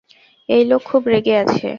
এই লোক খুব রেগে আছে।